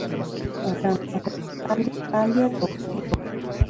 Abrams, "Alias" y "Lost".